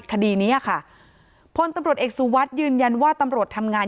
คดีนี้ค่ะพลตำรวจเอกสุวัสดิ์ยืนยันว่าตำรวจทำงาน